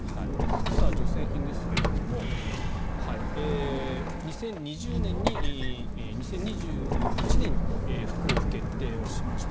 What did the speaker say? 助成金ですが２０２１年に不交付決定をしました。